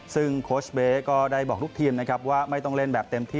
ซึ่งโค้ชเบ๊ก็ได้บอกลูกทีมนะครับว่าไม่ต้องเล่นแบบเต็มที่